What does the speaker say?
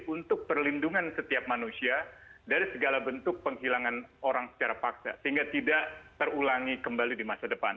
untuk perlindungan setiap manusia dari segala bentuk penghilangan orang secara paksa sehingga tidak terulangi kembali di masa depan